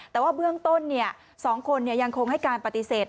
แต่ว่าเบื้องต้น๒คนยังคงให้การปฏิเสธ